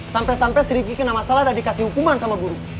sampai sampai sedikit kena masalah dan dikasih hukuman sama guru